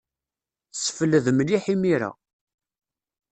Ssefled mliḥ imir-a.